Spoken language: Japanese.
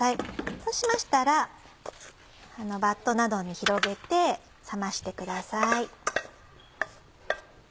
そうしましたらバットなどに広げて冷ましてください。